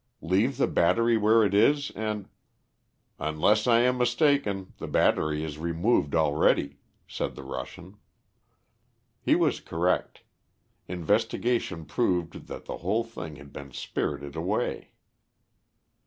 "Leave the battery where it is, and " "Unless I am mistaken, the battery is removed already," said the Russian. He was correct. Investigation proved that the whole thing had been spirited away.